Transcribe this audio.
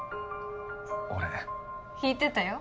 俺ひいてたよ